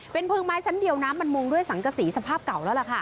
เพลิงไม้ชั้นเดียวน้ำมันมุงด้วยสังกษีสภาพเก่าแล้วล่ะค่ะ